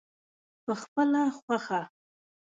پخپله خوښه.